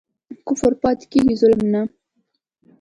کفر پاتی کیږي ظلم نه